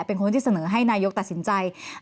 เป็นคนที่เสนอให้นายกตัดสินใจ